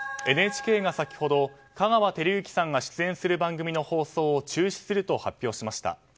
ＮＨＫが先ほど香川照之さんが出演する番組の放送を中止すると発表しました。